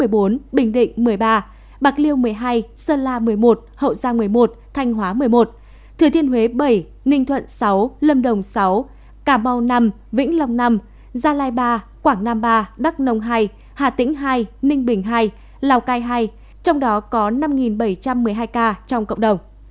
bình định một mươi ba bạc liêu một mươi hai sơn la một mươi một hậu giang một mươi một thanh hóa một mươi một thừa thiên huế bảy ninh thuận sáu lâm đồng sáu cà mau năm vĩnh long năm gia lai ba quảng nam ba đắk nông hai hà tĩnh hai ninh bình ii lào cai hai trong đó có năm bảy trăm một mươi hai ca trong cộng đồng